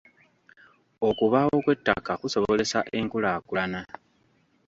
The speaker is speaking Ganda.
Okubaawo kw'ettaka kusobozesa enkulaakulana.